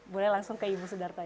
boleh langsung ke ibu sedar pak